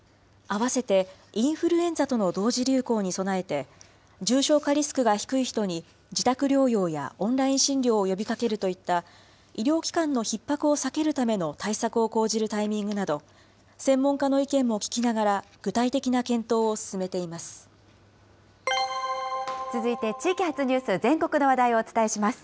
併せてインフルエンザとの同時流行に備えて、重症化リスクが低い人に自宅療養やオンライン診療を呼びかけるといった、医療機関のひっ迫を避けるための対策を講じるタイミングなど、専門家の意見も聞きながら、続いて地域発ニュース、全国の話題をお伝えします。